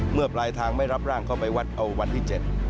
เมื่อปลายทางไม่รับร่างเข้าไปวัดเอาวันที่๗